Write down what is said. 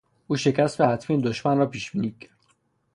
او شکست حتمی دشمن را پیشبینی کرد.